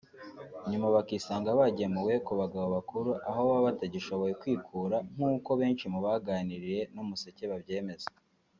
nyuma bakisanga bagemuwe ku bagabo bakuru aho baba batagishoboye kwikura nk’uko benshi mu baganiriye n’Umuseke babyemeza